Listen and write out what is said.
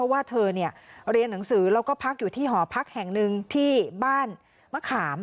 ว่าเธอเรียนหนังสือแล้วก็พักอยู่ที่หอพักแห่งหนึ่งที่บ้านมะขาม